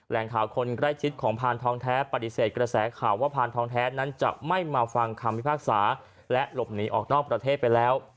แหล่งข่าวคนใกล้ชิดของพานทองแท้ปฏิเสธกระแสข่าวว่าพานทองแท้นั้นจะไม่มาฟังคำพิพากษาและหลบหนีออกนอกประเทศไปแล้ว